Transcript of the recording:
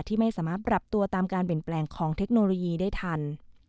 ที่ไม่สามารถปรับตัวตามการเปลี่ยนแปลงของเทคโนโลยีได้ทัน